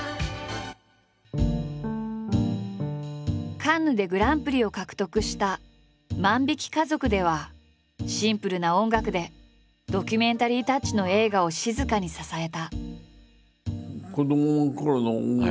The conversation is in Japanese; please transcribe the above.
カンヌでグランプリを獲得した「万引き家族」ではシンプルな音楽でドキュメンタリータッチの映画を静かに支えた。